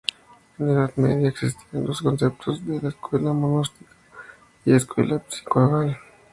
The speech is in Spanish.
En la Edad Media existían los conceptos de escuela monástica y escuela episcopal.